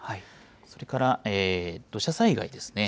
それから土砂災害ですね。